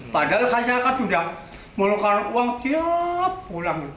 padahal kakak kakak sudah melakukan uang tiap ulang